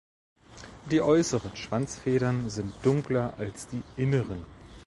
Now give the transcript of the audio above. Die äußeren Schwanzfedern sind dunkler als die inneren.